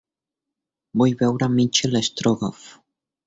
Vull veure Michel Strogoff